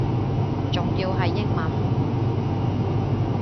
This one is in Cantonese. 仲要係英文